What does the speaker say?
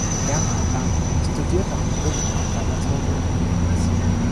Bernhard Lang studierte am Brucknerkonservatorium in Linz.